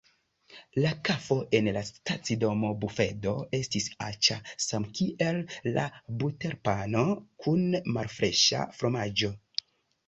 La kafo en la stacidoma bufedo estis aĉa, samkiel la buterpano kun malfreŝa fromaĝo.